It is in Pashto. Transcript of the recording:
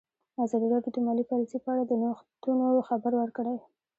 ازادي راډیو د مالي پالیسي په اړه د نوښتونو خبر ورکړی.